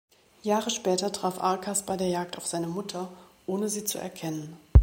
Jahre später traf Arkas bei der Jagd auf seine Mutter, ohne sie zu erkennen.